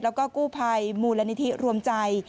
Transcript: แล้วก็กู้ภัยมูลนิธิรวมใจ